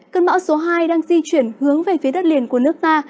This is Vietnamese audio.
cơn bão số hai đang di chuyển hướng về phía đất liền của nước ta